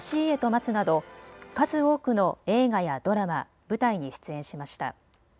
まつなど数多くの映画やドラマ、舞台に出演しました。